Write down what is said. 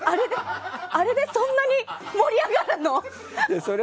あれでそんなに盛り上がるの？